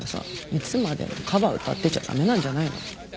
いつまでもカバー歌ってちゃ駄目なんじゃないの？